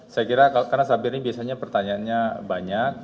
saya kira karena sabir ini biasanya pertanyaannya banyak